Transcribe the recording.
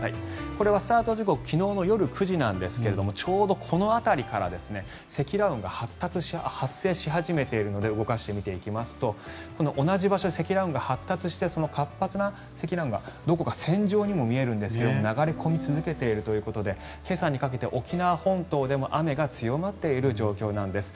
これはスタート時刻昨日の夜９時なんですがちょうどこの辺りから積乱雲が発生し始めているので動かして見ていきますと同じ場所で積乱雲が発達してその活発な積乱雲がどこか線状にも見えるんですが流れ込み続けているということで今朝にかけて沖縄本島でも雨が強まっている状況なんです。